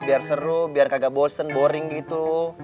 biar seru biar kagak bosen boring gitu